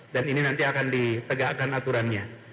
ini nanti akan ditegakkan aturannya